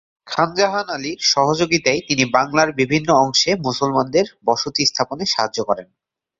খান জাহান আলীর সহযোগিতায় তিনি বাংলার বিভিন্ন অংশে মুসলমানদের বসতি স্থাপনে সাহায্য করেন।